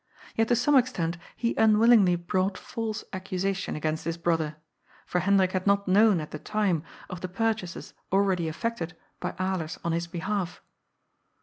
Yet to some extent he unwillingly brought false accusation against his brother, for Hendrik bad not known, at the time, of the purchases already effected by Alers on his behalf.